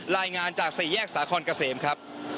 รายงานจากสี่แยกสาคอนเกษมครับ